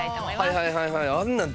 はいはいはいはい。